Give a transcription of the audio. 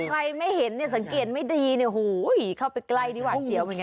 ไม่เห็นเนี่ยสังเกตไม่ดีเนี่ยโหยเข้าไปใกล้นี่หวาดเสียวเหมือนกัน